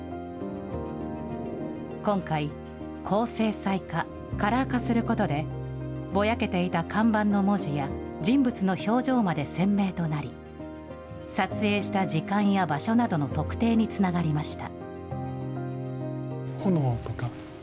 今回、高精細化、カラー化することで、ぼやけていた看板の文字や、人物の表情まで鮮明となり、撮影した時間や場所などの特定につながりました。